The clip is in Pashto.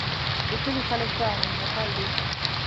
د کلي خلک ښه او میلمه پال دي